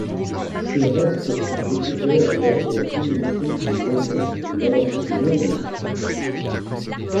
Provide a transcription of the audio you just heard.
Ses restes sont découverts lors de la démolition d'une maison au nord de Londres.